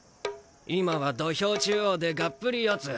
今は土俵中央でがっぷり四つ。